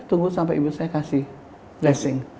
tunggu sampai ibu saya kasih blessing